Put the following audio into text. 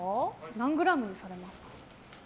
何グラムにされますか？